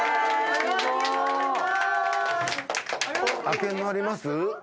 開けるのあります？